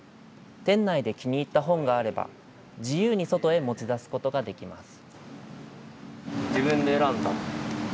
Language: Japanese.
店内で気に入った本があれば、自由に外へ持ち出すことができます。